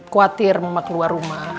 khawatir mama keluar rumah